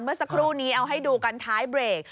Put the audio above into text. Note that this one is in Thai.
เมื่อสักครู่นี้เอาให้ดูกันท้ายเบรก